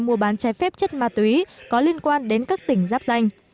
mua bán trái phép chất ma túy có liên quan đến các tỉnh giáp danh